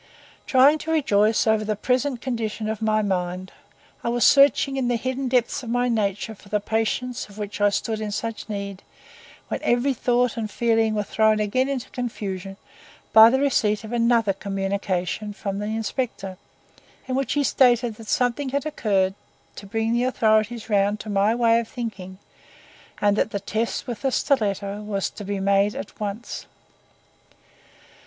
Trying to rejoice over the present condition of my mind, I was searching in the hidden depths of my nature for the patience of which I stood in such need, when every thought and feeling were again thrown into confusion by the receipt of another communication from the inspector, in which he stated that something had occurred to bring the authorities round to my way of thinking and that the test with the stiletto was to be made at once.